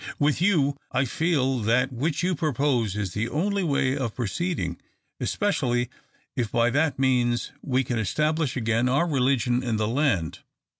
"With you, I feel that which you propose is the only way of proceeding, especially if by that means we can establish again our religion in the land.